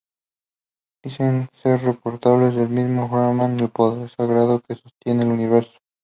Dicen ser portadores del mismo Brahman, el poder sagrado que sostiene el universo.